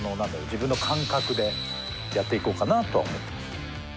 自分の感覚でやっていこうかなとは思ってます。